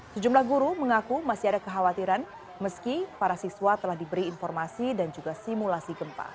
sejumlah guru mengaku masih ada kekhawatiran meski para siswa telah diberi informasi dan juga simulasi gempa